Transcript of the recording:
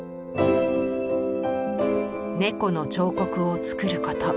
猫の彫刻を作ること。